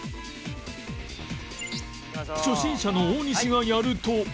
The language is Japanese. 初心者の大西がやると